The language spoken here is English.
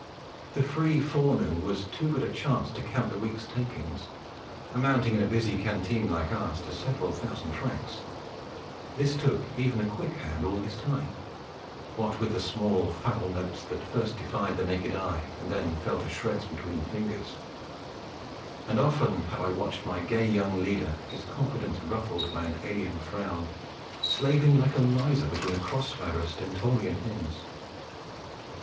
The free forenoon was too good a chance to count the week's takings, amounting in a busy canteen like ours to several thousand francs; this took even a quick hand all his time, what with the small foul notes that first defied the naked eye, and then fell to shreds between the fingers; and often have I watched my gay young leader, his confidence ruffled by an alien frown, slaving like a miser between a cross fire of stentorian hymns.